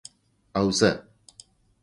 او زه،